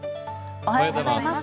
おはようございます。